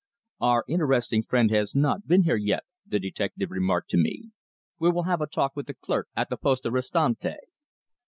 "Our interesting friend has not been here yet," the detective remarked to me. "We will have a talk with the clerk at the Poste Restante."